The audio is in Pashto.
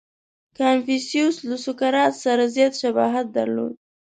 • کنفوسیوس له سوکرات سره زیات شباهت درلود.